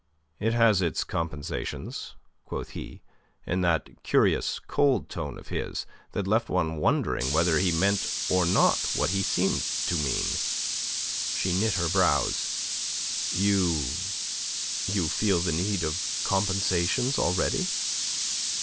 "It has its compensations," quoth he, in that curious cold tone of his that left one wondering whether he meant or not what he seemed to mean. She knit her brows. "You... you feel the need of compensations already?"